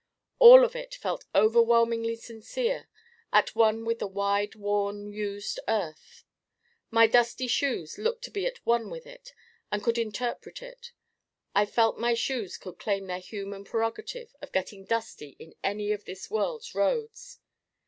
All of it felt overwhelmingly sincere: at one with the wide worn used earth. My dusty shoes looked to be at one with it and could interpret it. I felt my shoes could claim their human prerogative of getting dusty in any of this world's roads.